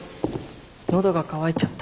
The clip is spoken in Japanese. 喉が渇いちゃった。